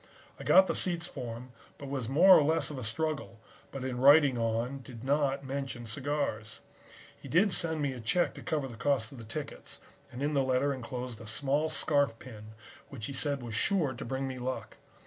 I got the seats for him, but it was more or less of a struggle, but in writing on did not mention cigars. He sent me a check to cover the cost of the tickets and in the letter enclosed a small scarf pin which he said was sure to bring me luck.